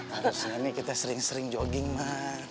harusnya nih kita sering sering jogging ma